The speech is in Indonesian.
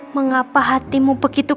mengapa hatimu begitu